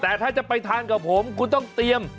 แต่ถ้าจะไปทานกับผมคุณต้องเตรียม